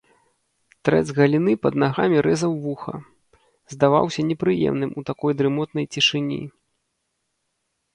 Трэск галіны пад нагамі рэзаў вуха, здаваўся непрыемным у такой дрымотнай цішыні.